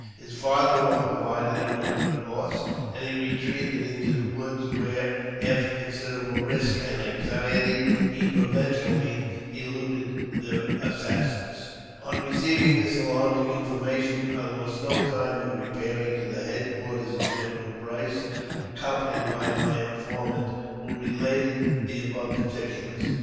His father in law provided him with a good horse, and he retreated into the woods, where, after con siderable risk and anxiety, he providentially eluded the assassins. On receiving this alarming information, I lost no time in re pairing to the headquarters of General Price, accompanied by my informant, who related the above particulars.